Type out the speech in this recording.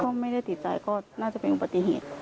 ก็ไม่ได้ติดใจก็น่าจะเป็นอุบัติเหตุ